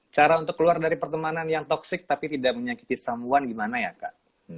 cara untuk keluar dari pertemanan yang toxic tapi tidak menyakiti some one gimana ya kak